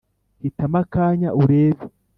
hitamo akanya urebe,